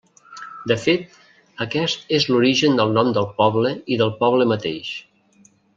De fet, aquest és l'origen del nom del poble i del poble mateix.